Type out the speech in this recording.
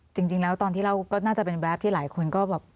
จริงแล้วตอนที่เล่าก็น่าจะเป็นแวบที่หลายคนก็แบบ